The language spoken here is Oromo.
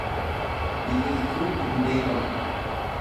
biqiltuu hundee qabdu.